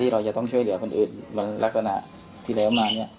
เราจะต้องช่วยเหลือคนอื่นวันลักษณะที่แล้วมาเนี่ย